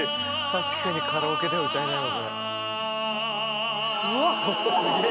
確かにカラオケでは歌えないわ